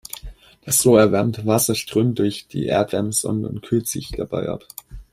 Das so erwärmte Wasser strömt durch die Erdwärmesonde und kühlt sich dabei ab.